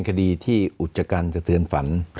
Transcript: คดีที่อุจจกรรมสะเทือนฝัน